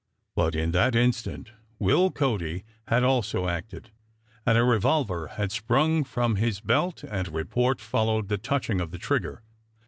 But in that instant Will Cody had also acted, and a revolver had sprung from his belt and a report followed the touching of the trigger.